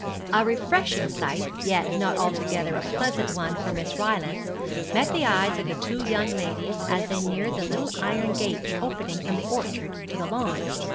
A refreshing sight, yet not altogether a pleasant one for Miss Rylance, met the eyes of the two young ladies as they neared the little iron gate opening from the orchard to the lawn.